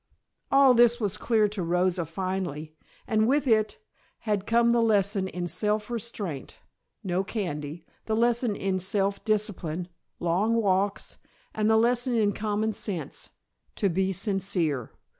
All this was clear to Rosa finally, and with it had come the lesson in self restraint: no candy, the lesson in self discipline: long walks, and the lesson in common sense: to be sincere.